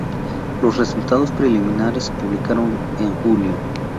Los resultados preliminares se publicaron en julio.